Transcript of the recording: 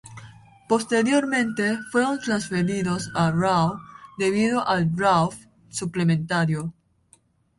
Posteriormente, fueron transferidos a "Raw", debido al "Draft Suplementario".